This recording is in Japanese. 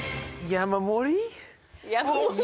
山盛り？